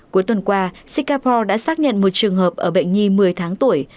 cuối tuần qua singapore đã xác nhận một trường hợp ở bệnh nhi một mươi tháng tuổi